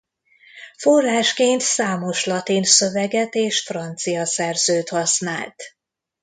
Forrásként számos latin szöveget és francia szerzőt használt.